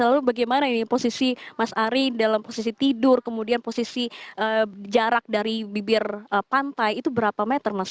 lalu bagaimana ini posisi mas ari dalam posisi tidur kemudian posisi jarak dari bibir pantai itu berapa meter mas